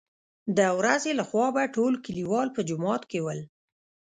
دورځې له خوا به ټول کليوال په جومات کې ول.